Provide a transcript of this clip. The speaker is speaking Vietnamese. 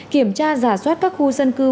kiểm tra giả soát các khu dân cư